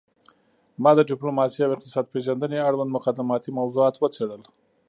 ما د ډیپلوماسي او اقتصاد پیژندنې اړوند مقدماتي موضوعات وڅیړل